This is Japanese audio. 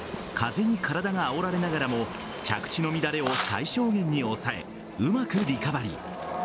風に体があおられながらも着地の乱れを最小限に抑えうまくリカバリー。